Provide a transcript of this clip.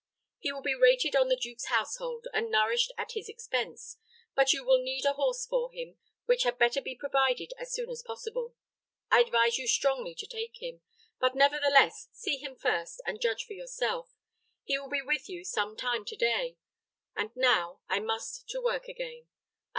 He will be rated on the duke's household, and nourished at his expense; but you will need a horse for him, which had better be provided as soon as possible. I advise you strongly to take him; but, nevertheless, see him first, and judge for yourself. He will be with you some time to day; and now I must to work again.